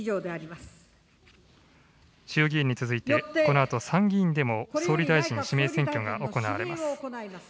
衆議院に続いて、このあと参議院でも総理大臣指名選挙が行われます。